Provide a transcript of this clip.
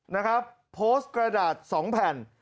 นะครับโพสต์กระดาษ๒แผ่น